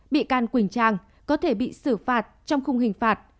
bị can quỳnh trang có thể bị xử phạt trong khung hình phạt